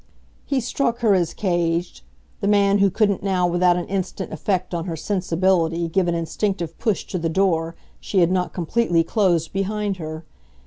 He struck her as caged, the man who couldn't now without an instant effect on her sensibility give an instinctive push to the door she had not completely closed behind her.